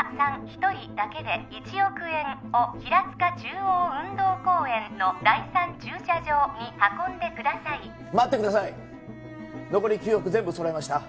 一人だけで１億円を平塚中央運動公園の第３駐車場に運んでください待ってください残り９億全部揃えました